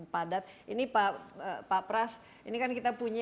padat ini pak pras ini kan kita punya